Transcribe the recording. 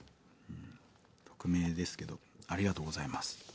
匿名ですけどありがとうございます。